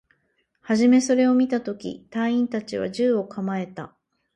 はじめそれを見たとき、隊員達は銃を構えた